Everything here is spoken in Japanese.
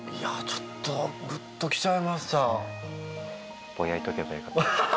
ちょっとグッときちゃいました。